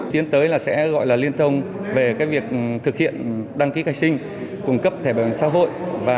tiến tới là sẽ gọi là liên thông về cái việc thực hiện đăng ký gai sinh cung cấp thể bản xã hội